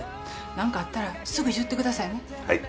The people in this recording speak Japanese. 何かあったらすぐ言ってくださいね。